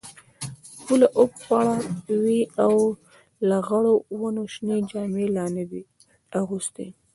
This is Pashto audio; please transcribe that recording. پوله وپړه وې او لغړو ونو شنې جامې لا نه وې اغوستي.